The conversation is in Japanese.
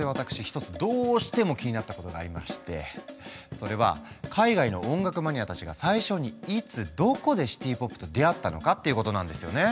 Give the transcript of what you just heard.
それは海外の音楽マニアたちが最初にいつどこでシティ・ポップと出会ったのかっていうことなんですよね。